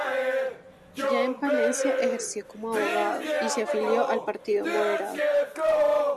Ya en Palencia, ejerció como abogado y se afilió al Partido Moderado.